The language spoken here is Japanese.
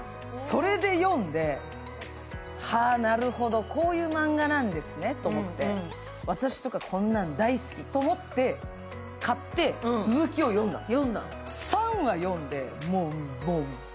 それで読んで、はあ、なるほど、こういうマンガなんですねって思って、私とか、こんなん大好きと思って買って、続きを読んだの。